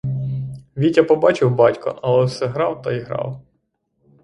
Вітя побачив батька, але все грав та й грав.